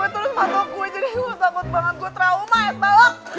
jadi gue takut banget gue trauma ya tau gak